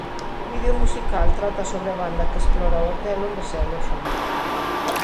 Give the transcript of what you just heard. O vídeo musical trata sobre a banda que explora o hotel onde se aloxan.